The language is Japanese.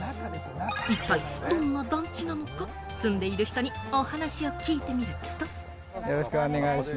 一体どんな団地なのか、住んでいる人にお話を聞いてみると。